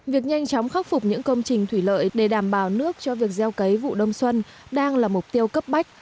việc nhanh chóng khắc phục những công trình thủy lợi để đảm bảo nước cho việc gieo cấy vụ đông xuân đang là mục tiêu cấp bách